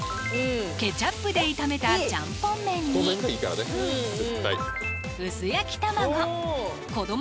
ケチャップで炒めたちゃんぽん麺に薄焼き玉子子ども